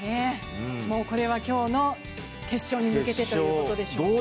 これは今日の決勝に向けてということでしょうか。